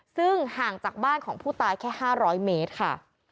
ซึ่งห่างจากบ้านของผู้ตายแค่๕๐๐เมตรค่ะ